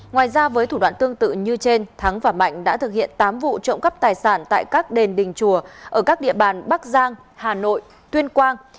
ngoài ra với thủ đoạn tương tự như trên thắng và mạnh đã thực hiện tám vụ trộm cắp tài sản tại các đền đình chùa ở các địa bàn bắc giang hà nội tuyên quang